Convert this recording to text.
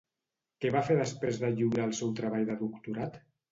Què va fer després de lliurar el seu treball de doctorat?